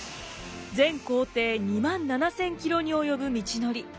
全行程２万７，０００キロに及ぶ道のり。